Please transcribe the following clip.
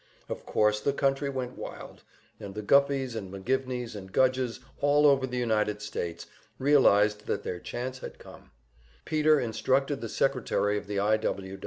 Of course the country went wild, and the Guffeys and McGivneys and Gudges all over the United States realized that their chance had come. Peter instructed the secretary of the I.